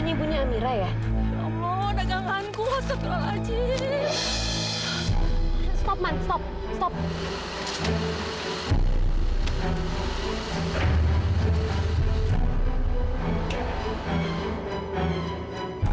itu bukan ibunya amira ya